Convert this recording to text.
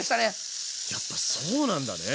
やっぱそうなんだね。